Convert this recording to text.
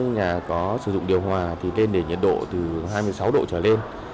nhà có sử dụng điều hòa thì tên để nhiệt độ từ hai mươi sáu độ trở lên